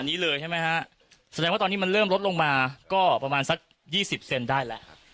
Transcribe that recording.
นี้เลยใช่ไหมฮะแสดงว่าตอนนี้มันเริ่มลดลงมาก็ประมาณสักยี่สิบเซนได้แล้ว